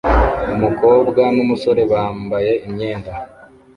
Umukobwa n'umusore bambaye imyenda